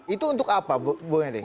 itu untuk apa bu ende